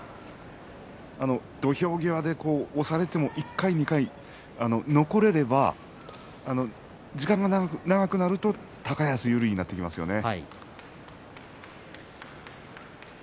土俵際で押されても１回２回、残れれば時間が長くなれば高安が有利になっていきますよね。